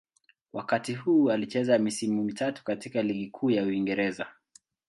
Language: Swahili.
Wakati huu alicheza misimu mitatu katika Ligi Kuu ya Uingereza.